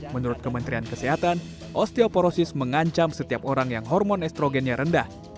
menurut kementerian kesehatan osteoporosis mengancam setiap orang yang hormon estrogennya rendah